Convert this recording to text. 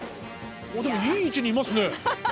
でもいい位置にいますね。